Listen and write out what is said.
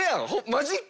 マジック？